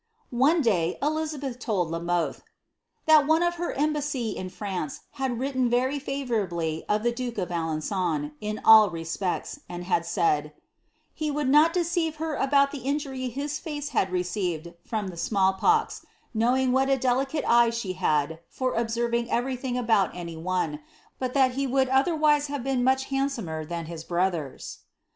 ' One day, Elizabeth told La Motiio, ^' that one of her embassy in France had written very favourably of the duke of Alen9on, in all re spects, and had said, ^he would not deceive her about tiie injury his face had received from the smali pox, knowing what a delicate eye she had for oliserving ever}'thing about any one, but that he would other wise have been much handsomer than his brothers.